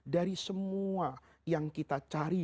dari semua yang kita cari